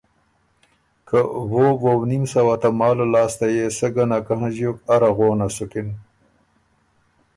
که وو ووؤنیم سوه تماله لاسته يې سۀ ګۀ نک هنݫیوک، اره غونه سُکِن۔